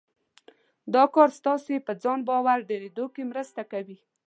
دا کار ستاسې په ځان باور ډېرېدو کې مرسته کوي.